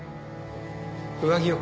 上着を。